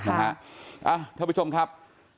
ท่านผู้ชมครับ